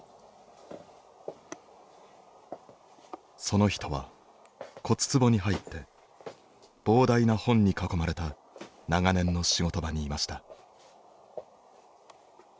その人は骨つぼに入って膨大な本に囲まれた長年の仕事場にいました。